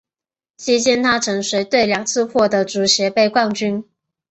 期间她曾随队两次夺得足协杯冠军。